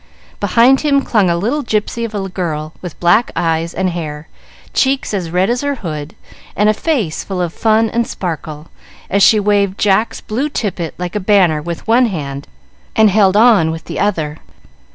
Behind him clung a little gypsy of a girl, with black eyes and hair, cheeks as red as her hood, and a face full of fun and sparkle, as she waved Jack's blue tippet like a banner with one hand, and held on with the other.